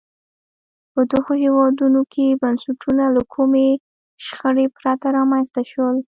په دغو هېوادونو کې بنسټونه له کومې شخړې پرته رامنځته شول.